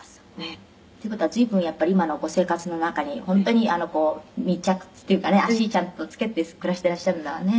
「という事は随分やっぱり今のご生活の中に本当に密着っていうかね足ちゃんとつけて暮らしてらっしゃるんだわね」